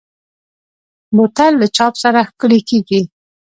بوتل له چاپ سره ښکلي کېږي.